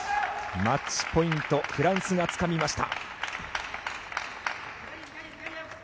マッチポイントフランスがつかみました。